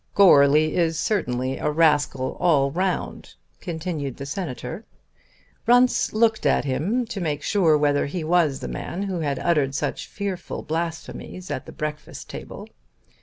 "Goarly is certainly a rascal all round," continued the Senator. Runce looked at him to make sure whether he was the man who had uttered such fearful blasphemies at the breakfast table.